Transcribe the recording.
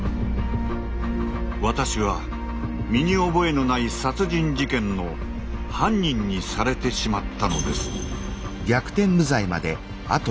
私は身に覚えのない殺人事件の犯人にされてしまったのです。